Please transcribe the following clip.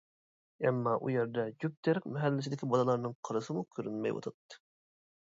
ئەمما ئۇ يەردە جۈپ تېرەك مەھەللىسىدىكى بالىلارنىڭ قارىسىمۇ كۆرۈنمەيۋاتاتتى.